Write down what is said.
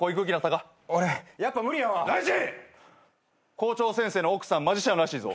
校長先生の奥さんマジシャンらしいぞ。